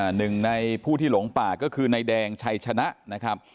หนึ่งในผู้ที่หลงป่าก็คือนายแดงชัยชนะนะครับ